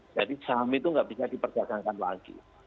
jadi saham itu tidak bisa diperdagangkan lagi